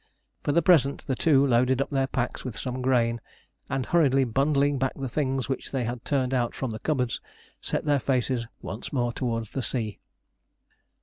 For the present the two loaded up their packs with some grain, and hurriedly bundling back the things which they had turned out from the cupboards, set their faces once more towards the sea.